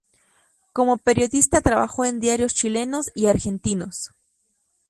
Como periodista trabajó en diarios chilenos y argentinos.